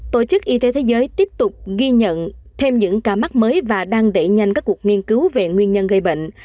tổ chức y tế thế giới tiếp tục ghi nhận thêm những ca mắc mới và đang đẩy nhanh các cuộc nghiên cứu về nguyên nhân gây bệnh